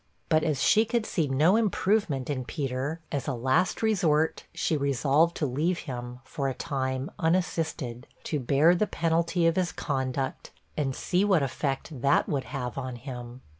But as she could see no improvement in Peter, as a last resort, she resolved to leave him, for a time, unassisted, to bear the penalty of his conduct, and see what effect that would have on him.